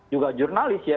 juga jurnalis ya